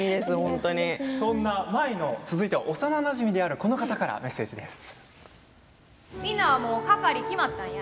そんな舞の幼なじみであるこの方からメッセージです。